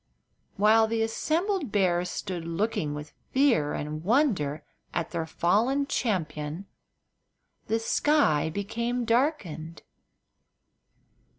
While the assembled bears stood looking with fear and wonder at their fallen champion the sky became darkened.